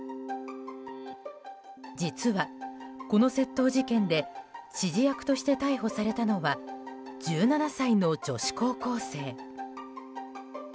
実は、この窃盗事件で指示役として逮捕されたのは１７歳の女子高校生。